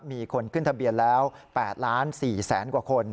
มีคนขึ้นทะเบียนแล้ว๘ล้าน๔แสนกว่าคน